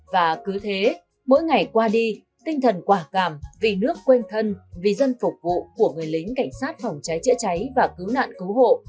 và cứ thế mỗi ngày qua đi tinh thần quả cảm vì nước quên thân vì dân phục vụ của người lính cảnh sát phòng cháy chữa cháy và cứu nạn cứu hộ